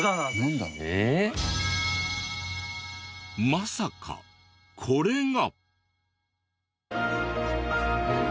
まさかこれが。